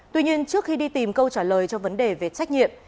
tuy nhiên trước khi đi tìm câu trả lời cho vấn đề về trách nhiệm